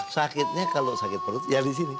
sakitnya kalo sakit perut ya disini